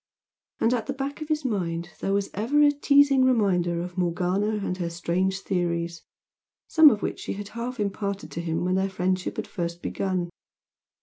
And at the back of his mind there was ever a teasing reminder of Morgana and her strange theories, some of which she had half imparted to him when their friendship had first begun.